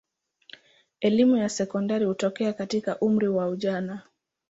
Elimu ya sekondari hutokea katika umri wa ujana.